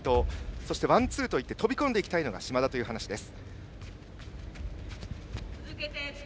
そしてワンツーといって飛び込んでいきたいのが嶋田という話です。